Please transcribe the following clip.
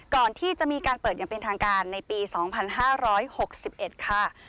ก่อนที่จะมีการเปิดอย่างเป็นทางการในปี๒๕๖๑ค่ะ